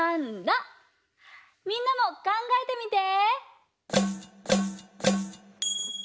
みんなもかんがえてみて！